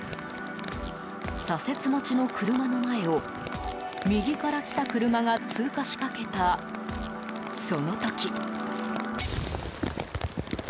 左折待ちの車の前を右から来た車が通過しかけたその時。